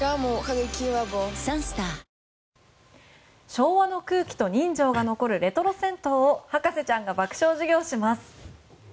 昭和の空気と人情が残るレトロ銭湯を博士ちゃんが爆笑授業します。